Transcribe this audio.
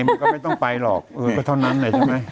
มันก็ไม่ต้องไปหรอกเออก็เท่านั้นแหละใช่ไหม